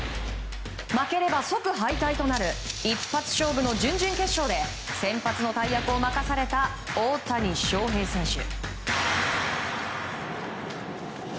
負ければ即敗退となる一発勝負の準々決勝で先発の大役を任された大谷翔平選手。